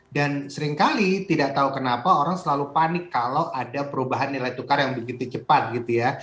dan seringkali tidak tahu kenapa orang selalu panik kalau ada perubahan nilai tukar yang begitu cepat gitu ya